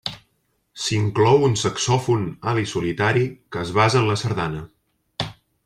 S'inclou un saxòfon alt i solitari que es basa en la sardana.